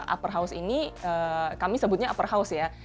upper house ini kami sebutnya upper house ya